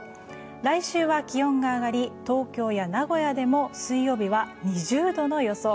来週は気温が上がり東京や名古屋でも水曜日は２０度の予想。